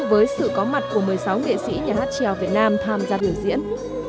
với sự có mặt của một mươi sáu nghệ sĩ nhà hát trèo việt nam tham gia biểu diễn